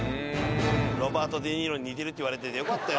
ロバート・デ・ニーロに似てるって言われててよかったよ